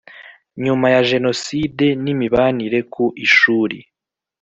nyuma ya Jenoside n imibanire ku ishuri